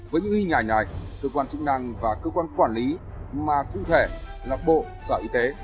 với những ý nhảy này cơ quan chức năng và cơ quan quản lý mà thụ thể là bộ sở y tế